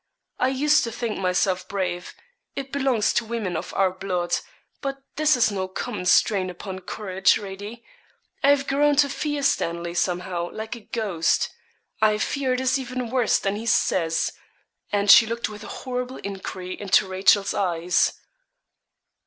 'I used to think myself brave; it belongs to women of our blood; but this is no common strain upon courage, Radie. I've grown to fear Stanley somehow like a ghost; I fear it is even worse than he says,' and she looked with a horrible enquiry into Rachel's eyes.